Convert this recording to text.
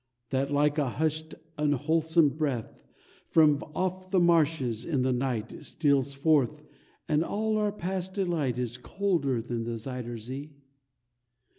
That like a hushed, unwholesome breath, From off the marshes in the night Steals forth, and all our past delight Is colder than the Zuyder Zee?